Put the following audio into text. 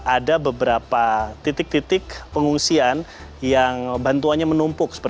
ada beberapa titik titik pengungsian yang bantuannya menumpuk